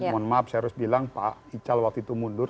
mohon maaf saya harus bilang pak ical waktu itu mundur